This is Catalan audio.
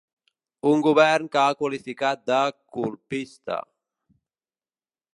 Un govern que ha qualificat de ‘colpista’.